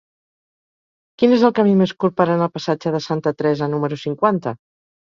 Quin és el camí més curt per anar al passatge de Santa Teresa número cinquanta?